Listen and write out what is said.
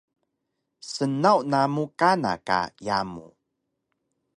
snaw namu kana ka yamu